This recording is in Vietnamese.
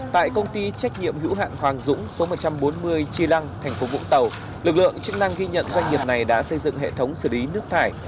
tại công ty trách nhiệm hữu hạn hoàng dũng số một trăm bốn mươi chi lăng thành phố vũng tàu lực lượng chức năng ghi nhận doanh nghiệp này đã xây dựng hệ thống xử lý nước thải